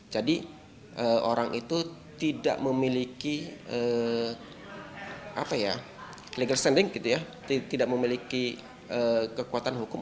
jadi orang itu tidak memiliki legal standing tidak memiliki kekuatan hukum